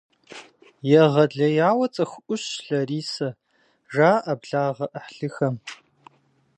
«Егъэлеяуэ цӏыху ӏущщ Ларисэ, - жаӏэ благъэ-ӏыхьлыхэм.